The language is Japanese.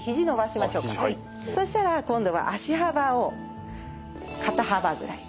そしたら今度は足幅を肩幅ぐらいに。